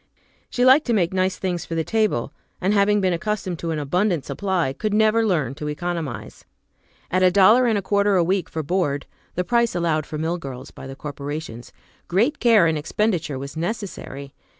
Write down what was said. She liked to make nice things for the table, and, having been accustomed to an abundant supply, could never learn to economize. At a dollar and a quarter a week for board,(the price allowed for mill girls by the corporations) great care in expenditure was necessary.